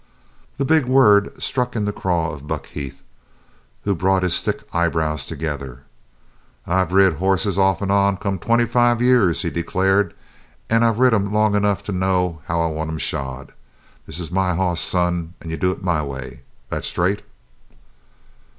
The big word stuck in the craw of Buck Heath, who brought his thick eyebrows together. "I've rid horses off and on come twenty five years," he declared, "and I've rid 'em long enough to know how I want 'em shod. This is my hoss, son, and you do it my way. That straight?"